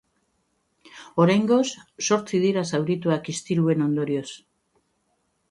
Oraingoz, zortzi dira zaurituak istiluen ondorioz.